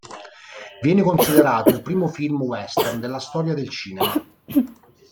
Viene considerato il primo film western della storia del cinema.